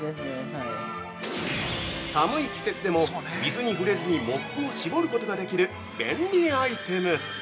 ◆寒い季節でも水に触れずにモップを絞ることができる便利アイテム！